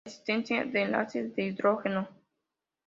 La existencia de enlaces de hidrógeno.